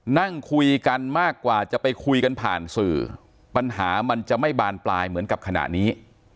นั่งคุยกันมากกว่าจะไปคุยกันผ่านสื่อปัญหามันจะไม่บานปลายเหมือนกับขณะนี้